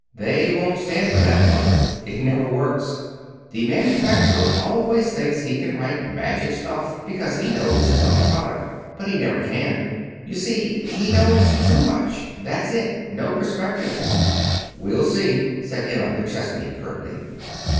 "They won't stand for that, Mother. It never works. The manufacturer always thinks he can write magic stuff because he knows his own product. But he never can. You see, he knows too much. That's it. No perspective." "We'll see," said Emma McChesney curtly.